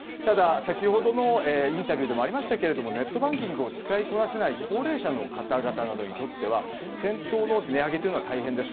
先ほどのインタビューでもありましたけれどもネットバンキングを使いこなせない高齢者の方々などにとっては店頭の値上げというのは大変です。